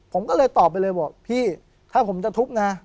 ผมก็เลยตอบไปเลยบอกพี่ถ้าผมจะทุบนะ